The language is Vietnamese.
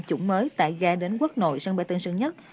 chủng mới tại ghe đến quốc nội sân bay tân sơn nhất